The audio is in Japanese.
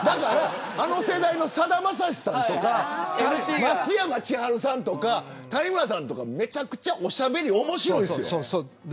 あの世代のさだまさしさんとか松山千春さんとか谷村さんとかめちゃくちゃおしゃべり面白いですよ。